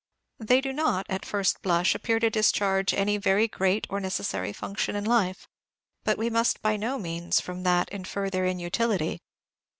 They do not, at first blush, appear to discharge any very great or necessary function in life; but we must by no means, from that, infer their inutility.